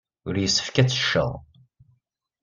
Ur yessefk ad tecced.